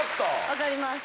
分かります。